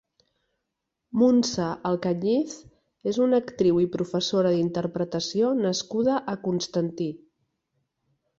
Muntsa Alcañiz és una actriu i professora d'interpretació nascuda a Constantí.